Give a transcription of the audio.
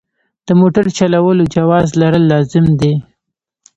د موټر چلولو جواز لرل لازم دي.